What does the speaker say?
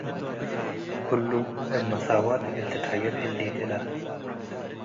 ክሉ እብ መሳዋት እግል ትትሀየብ ህሌት እለ።